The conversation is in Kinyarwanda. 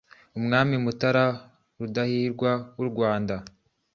Umwami Mutara Rudahigwa wu Rwanda